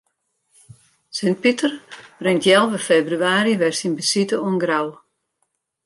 Sint Piter bringt healwei febrewaarje wer syn besite oan Grou.